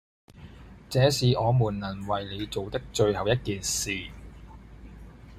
這是我們能為你做的最後一件事！